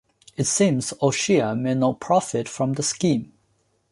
It seems O'Shea made no profit from the scheme.